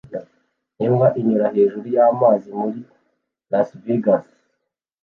Imbwa inyura hejuru y'amazi muri Las Vegas